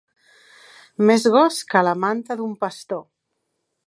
Més gos que la manta d'un pastor.